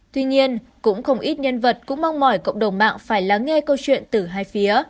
tuy nhiên cũng không ít nhân vật cũng mong mỏi cộng đồng mạng phải lắng nghe câu chuyện từ hai phía